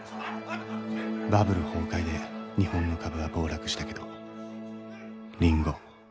バブル崩壊で日本の株は暴落したけどリンゴ